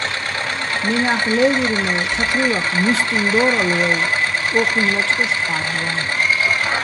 მენახ ლე́ვირ, მე თათრივახ "მუსტიჼ" დო́რალო̆ ვაჲ, ო́ჴუჲნი̆ ლაჭყუშ ჰ̦ა́ბვაჼ.